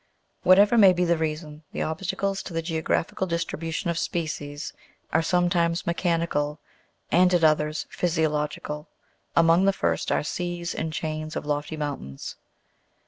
Whatever may be the reason, the obstacles to the geographical distribution of species are sometimes mechanical, and at others, physiological ; among the first are seas and chains of lofty moun tains.